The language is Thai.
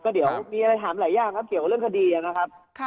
เดี๋ยวมีอะไรถามหลายอย่างครับเกี่ยวกับเรื่องคดีนะครับ